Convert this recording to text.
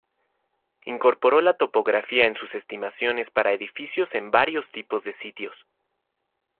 Incorporó la topografía en sus estimaciones para edificios en varios tipos de sitios.